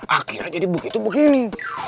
akhirnya jadi begitu begini